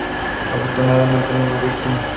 Afortunadamente, no hubo víctimas.